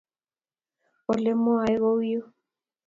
Olemwae ko yuu